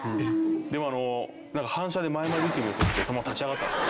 でも反射で前回り受け身を取ってそのまま立ち上がったんです。